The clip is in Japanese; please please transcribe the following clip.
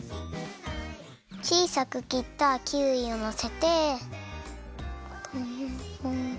ちいさくきったキウイをのせて。